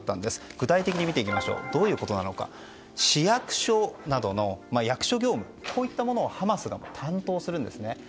具体的に見ていきますと市役所などの役所業務こういったものをハマスが担当するんですね。